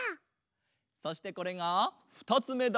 そしてこれがふたつめだ。